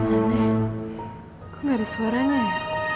aneh kok nggak ada suara nih